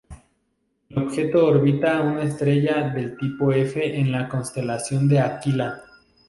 El objeto orbita una estrella del tipo F en la constelación de Aquila.